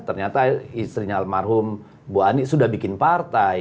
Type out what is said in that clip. ternyata istrinya almarhum bu ani sudah bikin partai